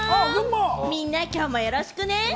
みんな、きょうもよろしくね。